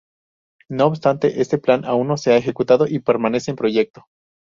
No obstante este plan aún no se ha ejecutado y permanece en proyecto.